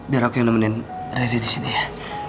biar aku yang nemenin riri di sini ya